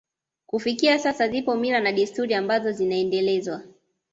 Kufikia sasa zipo mila na desturi ambazo zinaendelezwa